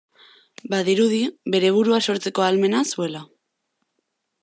Badirudi, bere burua sortzeko ahalmena zuela.